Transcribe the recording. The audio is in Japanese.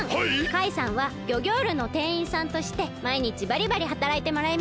カイさんはギョギョールのてんいんさんとしてまいにちバリバリはたらいてもらいます！